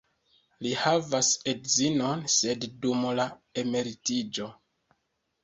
Li havas edzinon, sed dum la emeritiĝo.